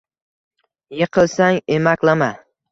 Yiqilsang, emaklama